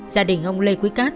gia đình ông lê quý cát